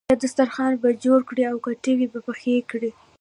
ښه دسترخوان به جوړ کړې او کټوۍ به پخه کړې.